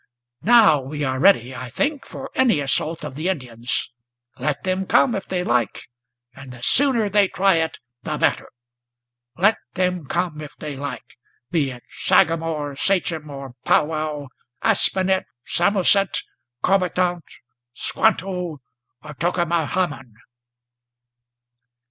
Now we are ready, I think, for any assault of the Indians; Let them come, if they like, and the sooner they try it the better, Let them come if they like, be it sagamore, sachem, or pow wow, Aspinet, Samoset, Corbitant, Squanto, or Tokamahamon!"